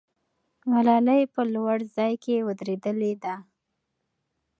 ملالۍ په لوړ ځای کې ودرېدلې ده.